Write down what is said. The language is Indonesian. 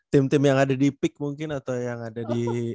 tim tim yang ada di pik mungkin atau yang ada di